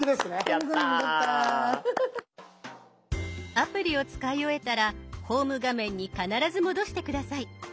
アプリを使い終えたらホーム画面に必ず戻して下さい。